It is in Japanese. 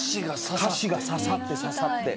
歌詞が刺さって刺さって。